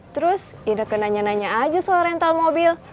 terus ida kenanya nanya aja soal rental mobil